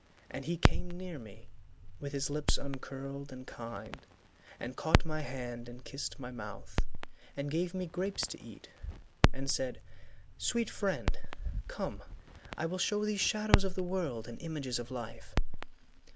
And he came near me, with his lips uncurled And kind, and caught my hand and kissed my mouth, And gave me grapes to eat, and said, 'Sweet friend, Come I will show thee shadows of the world And images of life.